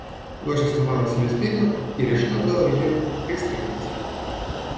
Лошадь сломала себе спину, и решено было ее пристрелить.